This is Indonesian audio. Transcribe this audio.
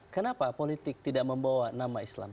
kenapa politik tidak membawa nama islam